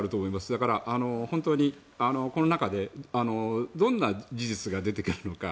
だから、本当にこの中でどんな事実が出てくるのか。